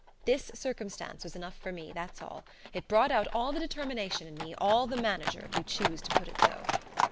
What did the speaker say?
This circumstance was enough for me, that's all. It brought out all the determination in me, all the manager, if you choose to put it so.